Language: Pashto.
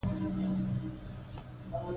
فکري کلیشه له ادبیاتو څخه نه سو بېلولای.